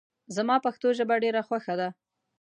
زما پښتو ژبه ډېره خوښه ده